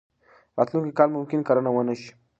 راتلونکی کال ممکن کرنه ونه شي.